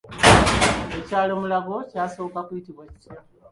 Ekyalo Mulago kyasooka kuyitibwa kitya?